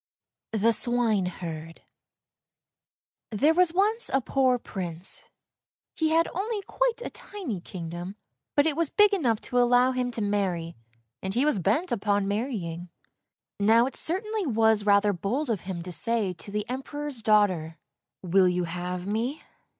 THE SWINEHERD THERE was once a poor Prince; he had only quite a tiny kingdom, but it was big enough to allow him to marry, and he was bent upon marrying. Now, it certainly was rather bold of him to say to the Em peror's daughter, "Will you have me?"